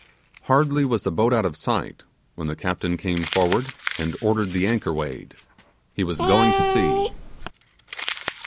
Hardly was the boat out of sight, when the captain came forward and ordered the anchor weighed; he was going to sea.